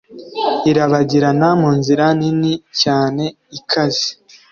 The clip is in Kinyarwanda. irabagirana mu nzira nini cyane, ikaze